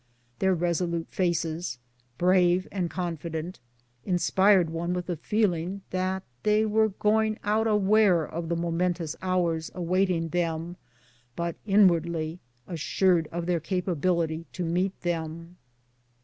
Their resolute faces, brave and confident, inspired one with a feeling that they were going out aware of the momentous hours awaiting them, but inwardly assured of their capability to meet them.